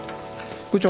部長。